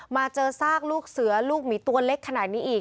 มาเจอซากลูกเสือลูกหมีตัวเล็กขนาดนี้อีก